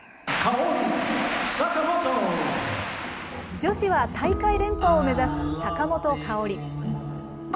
女子は大会連覇を目指す坂本花織。